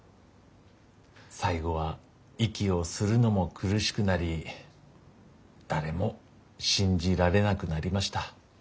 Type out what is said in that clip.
最後は息をするのも苦しくなり誰も信じられなくなりました。